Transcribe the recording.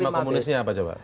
apa tema komunisnya pak